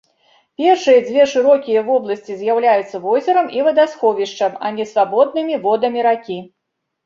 Першыя дзве шырокія вобласці з'яўляюцца возерам і вадасховішчам, а не свабоднымі водамі ракі.